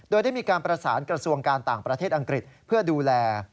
โดยได้มีการประสานกระทรวงการต่างประเทศอังกฤษเพื่อดูแล